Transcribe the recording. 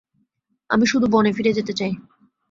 আমি শুধু বনে ফিরে যেতে চাই।